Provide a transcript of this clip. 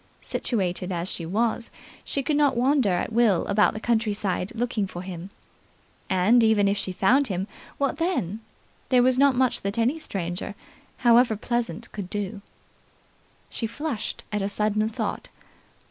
Situated as she was, she could not wander at will about the countryside, looking for him. And, even if she found him, what then? There was not much that any stranger, however pleasant, could do. She flushed at a sudden thought.